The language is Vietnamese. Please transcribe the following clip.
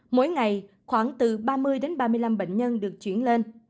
mỗi ngày khoảng từ ba mươi đến ba mươi năm bệnh nhân được chuyển lên